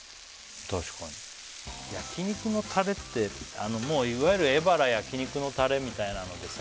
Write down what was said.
確かに焼肉のタレっていわゆるエバラ焼肉のたれみたいなのでさ